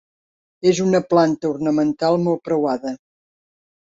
És una planta ornamental molt preuada.